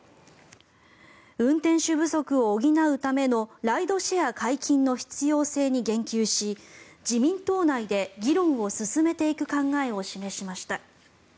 運転手不足を補うためのライドシェア解禁の必要性に言及し自民党内で議論を進めていく考えを示しました。